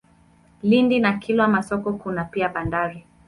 Lindi na Kilwa Masoko kuna pia bandari.